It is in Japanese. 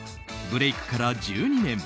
ブレークから１２年。